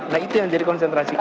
nah itu yang jadi konsentrasi kita